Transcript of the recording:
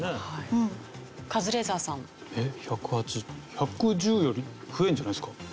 １１０より増えるんじゃないですか？